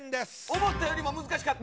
思ったよりも難しかった？